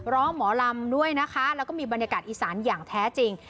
หมอลำด้วยนะคะแล้วก็มีบรรยากาศอีสานอย่างแท้จริง